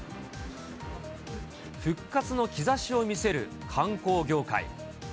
復活の兆しを見せる観光業界。